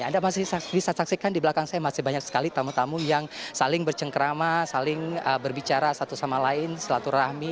anda masih bisa saksikan di belakang saya masih banyak sekali tamu tamu yang saling bercengkerama saling berbicara satu sama lain silaturahmi